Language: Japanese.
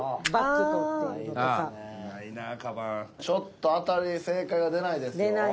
ちょっと当たり正解が出ないですよ。